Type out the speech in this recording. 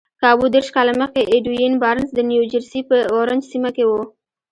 کابو دېرش کاله مخکې ايډوين بارنس د نيوجرسي په اورنج سيمه کې و.